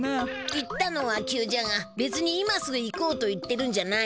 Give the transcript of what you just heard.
言ったのは急じゃがべつに今すぐいこうと言ってるんじゃないんじゃ。